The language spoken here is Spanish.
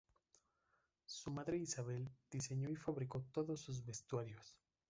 Su madre Isabel diseñó y fabricó todos sus vestuarios.